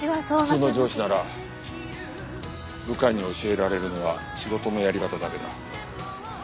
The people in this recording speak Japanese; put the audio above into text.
普通の上司なら部下に教えられるのは仕事のやり方だけだ。